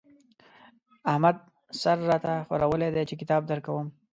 احمد سر را ته ښورولی دی چې کتاب درکوم.